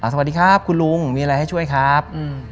สวัสดีครับคุณลุงมีอะไรให้ช่วยครับ